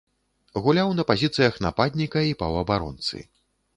Гуляў на пазіцыях нападніка і паўабаронцы.